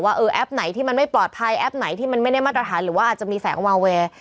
เออแอปไหนที่มันไม่ปลอดภัยแอปไหนที่มันไม่ได้มาตรฐานหรือว่าอาจจะมีแสงวาเวย์